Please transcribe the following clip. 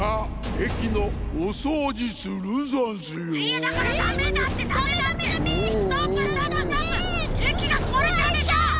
えきがこわれちゃうでしょ。